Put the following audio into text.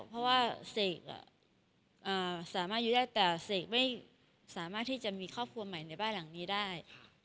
เพราะว่าเสกสามารถอยู่ได้แต่เสกไม่สามารถที่จะมีครอบครัวใหม่ในบ้านหลังนี้ได้